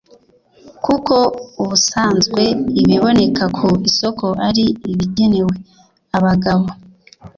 kuko ubusanzwe ibiboneka ku isoko ari ibigenewe abagabo